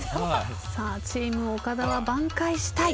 さあチーム岡田は挽回したい。